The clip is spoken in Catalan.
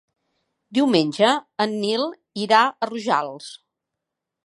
Diumenge en Nil irà a Rojals.